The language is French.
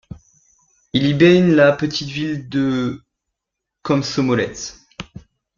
Il y baigne la petite ville de Komsomolets.